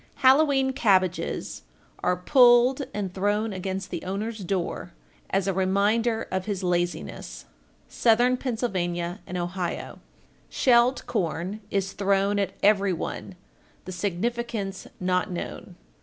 1402. Halloween cabbages are pulled and thrown against the owner's door as a reminder of his laziness. Southern Pennsylvania and Ohio. 1403. Shelled corn is thrown at every one the significance not known.